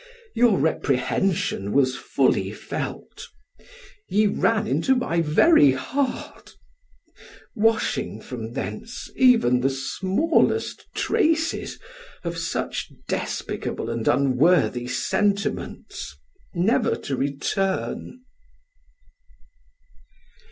your reprehension was fully felt; ye ran into my very heart, washing from thence even the smallest traces of such despicable and unworthy sentiments, never to return.